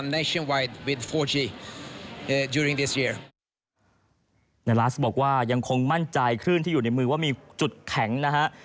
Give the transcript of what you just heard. ในลาสบอกว่ายังคงมั่นใจคลื่นที่อยู่ในมือว่ามีจุดแข็งนะฮะ